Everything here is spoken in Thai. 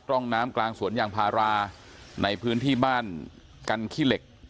ร่องน้ำกลางสวนยางพาราในพื้นที่บ้านกันขี้เหล็ก